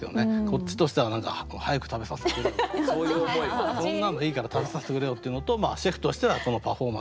こっちとしては何か早く食べさせてくれよってそんなのいいから食べさせてくれよっていうのとシェフとしてはこのパフォーマンス見てくれって